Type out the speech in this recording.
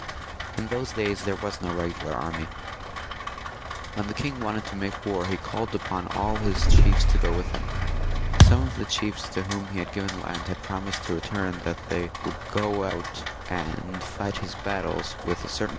In those days there was no regular army and no regular soldiers. When the king wanted to make war he called upon all his chiefs to go with him. Some of the chiefs to whom he had given land had promised in return that they would go out and fight his battles with a certain VL] THE MA YORS OF THE PALACE.